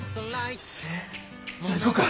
じゃあ行こうか。